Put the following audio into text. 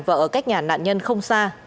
và ở cách nhà nạn nhân không xa